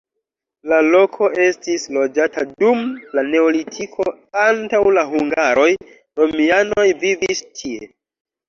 La loko estis loĝata dum la neolitiko, antaŭ la hungaroj romianoj vivis tie.